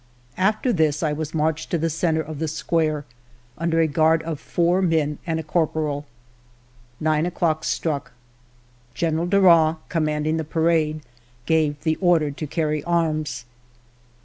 After this I was marched to the centre of the square, under a guard of four men and a corporal. Nine o'clock struck. General Darras, com manding the parade, gave the order to carry arms.